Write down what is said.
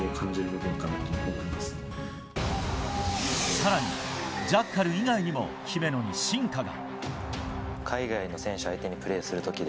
更に、ジャッカル以外にも姫野に進化が。